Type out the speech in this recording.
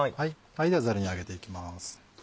ではザルに上げていきます。